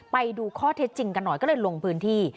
ไปดูข้อเท็จจริงกันหน่อยก็เลยลงพื้นที่